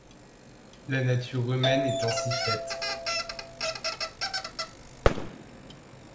La nature humaine est ainsi faite.